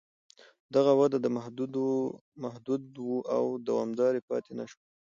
دغه وده محدوده وه او دوامداره پاتې نه شوه.